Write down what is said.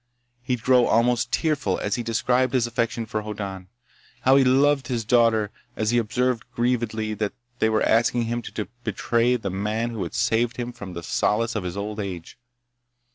He'd grow almost tearful as he described his affection for Hoddan—how he loved his daughter—as he observed grievedly that they were asking him to betray the man who had saved for him the solace of his old age.